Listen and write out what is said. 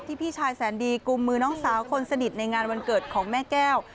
พี่ชายแสนดีกุมมือน้องสาวคนสนิทในงานวันเกิดของแม่แก้ว